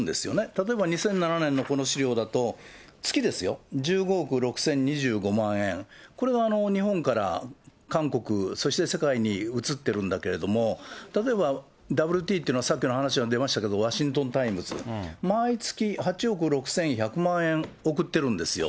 例えば２００７年のこの資料だと、月ですよ、１５億６０２５万円、これは日本から韓国、そして世界に移ってるんだけど、例えばＷＴっていうのは、さっきの話で出ましたけれども、ワシントンタイムズ、毎月８億６１００万円送ってるんですよ。